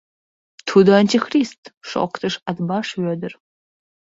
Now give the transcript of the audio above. — Тудо антихрист! — шоктыш Атбаш Вӧдыр.